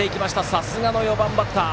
さすがの４番バッター！